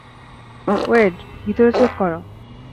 ওয়েড, ভিতরে চেক করো।